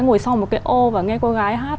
ngồi sau một cái ô và nghe cô gái hát